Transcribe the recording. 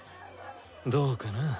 どうかな。